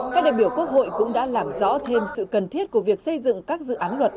các đại biểu quốc hội cũng đã làm rõ thêm sự cần thiết của việc xây dựng các dự án luật